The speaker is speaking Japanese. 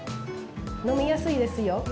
飲みやすいですよ。